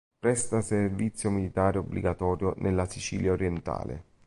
Presta servizio militare obbligatorio nella Sicilia orientale.